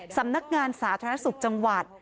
สำนักงานสาธารณสุขจังหวัด